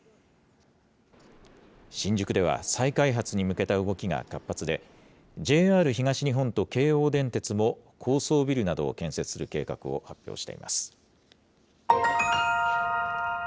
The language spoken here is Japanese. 新宿では再開発に向けた動きが活発で、ＪＲ東日本と京王電鉄も、高層ビルなどを建設する計画を発表しています。